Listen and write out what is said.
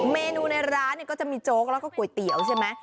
เมนูในร้านก็จะมีโจ๊กแล้วก็ก๋วยเตี๋ยวใช่ไหม